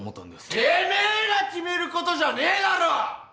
てめえが決めることじゃねえだろ！